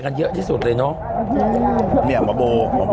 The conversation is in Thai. เป็นการกระตุ้นการไหลเวียนของเลือด